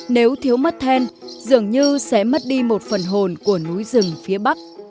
nếu thiếu mất then dường như sẽ mất đi một phần hồn của núi rừng phía bắc